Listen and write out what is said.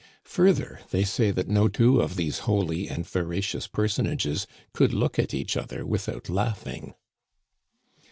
Further, they say that no two of these holy and veracious personages could look at each other without laughing."